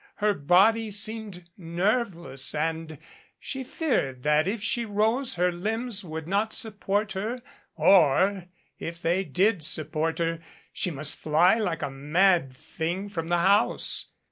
Her body seemed nerveless and she feared that if she rose her limbs would not support her, or, if they did support her, she must fly like a mad thing from the house.